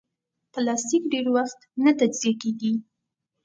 پلاستيک ډېر وخت نه تجزیه کېږي.